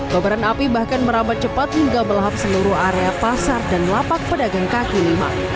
kobaran api bahkan merambat cepat hingga belahap seluruh area pasar dan lapak pedagang kaki lima